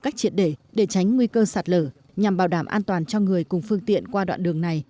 cách triệt để để tránh nguy cơ sạt lở nhằm bảo đảm an toàn cho người cùng phương tiện qua đoạn đường này